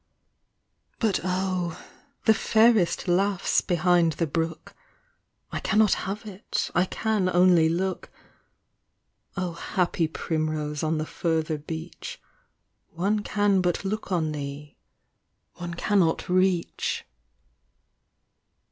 But, oh ! the fairest laughs behind the brook, I pannot have it, I can only look : Oh happy primrose on the further beach, One can but look on thee, one cannot reach.